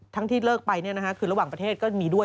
ทั้งที่เลิกไปก็เป็นระหว่างประเทศก็มีด้วย